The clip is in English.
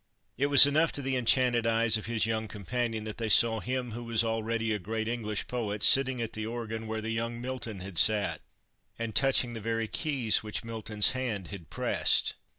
It was enough to the enchanted eyes of his young companion that they saw him who was already a great English poet sitting at the organ where the young Milton had sat, and touching the very keys which Milton's hand had pressed.